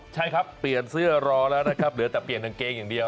ใช่ครับเปลี่ยนเสื้อรอแล้วนะครับเหลือแต่เปลี่ยนกางเกงอย่างเดียว